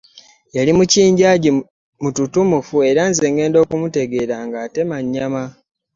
Yali mukinjaagi mututumufu era nze ngenda okutegeera ng’atema nnyama.